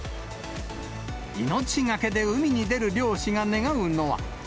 命懸けで海に出る漁師が願うのは。